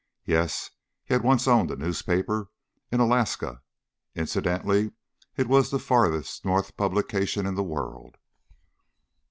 Yes! He had once owned a newspaper in Alaska. Incidentally, it was the farthest north publication in the world.